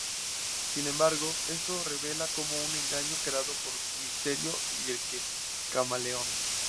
Sin embargo, esto se revela como un engaño creado por Mysterio y el Camaleón.